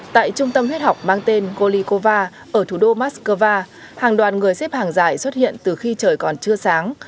tại trung tâm huyết học mang tên golikova ở thủ đô moscow hàng đoàn người xếp hàng dài xuất hiện từ khi trời còn chưa sáng